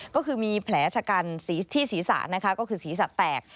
ก็คือมีแผลชะกันที่ศีรษะนะคะก็คือศีรษะแตก